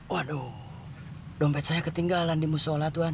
waduh dompet saya ketinggalan di musola tuhan